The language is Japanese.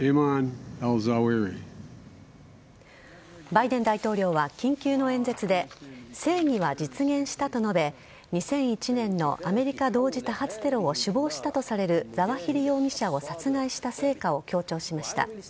バイデン大統領は緊急の演説で、正義は実現したと述べ、２００１年のアメリカ同時多発テロを首謀したとされるザワヒリ容疑者を殺害した成果を強調しました。